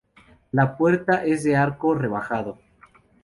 La puerta es de arco rebajado.